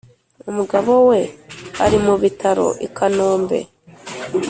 Umugabo we ari mu bitaro I Kanombe